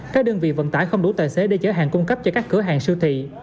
các đơn vị vận tải không đủ tài xế để chở hàng cung cấp cho các cửa hàng siêu thị